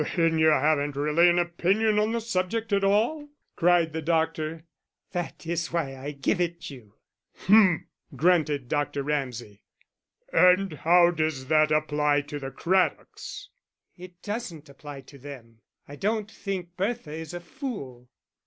"Then you haven't really an opinion on the subject at all?" cried the doctor. "That is why I give it you." "Hm!" grunted Dr. Ramsay. "And how does that apply to the Craddocks?" "It doesn't apply to them.... I don't think Bertha is a fool."